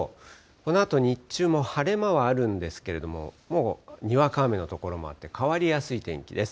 このあと日中も晴れ間はあるんですけれども、もうにわか雨の所もあって、変わりやすい天気です。